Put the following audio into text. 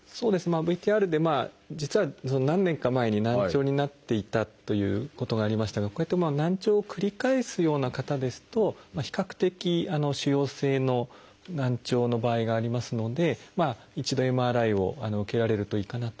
ＶＴＲで実は何年か前に難聴になっていたということがありましたがこういった難聴を繰り返すような方ですと比較的腫瘍性の難聴の場合がありますので一度ＭＲＩを受けられるといいかなと。